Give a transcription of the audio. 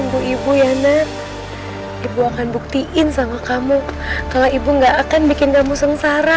ibu ibu yana ibu akan buktiin sama kamu kalau ibu nggak akan bikin kamu sengsara